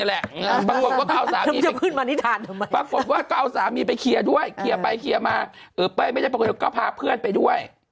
แหละปรากฏว่าก็เอาสามีไปเคลียร์ด้วยเคลียร์ไปเคลียร์มาเออไปไม่ได้ปรากฏว่าก็พาเพื่อนไปด้วย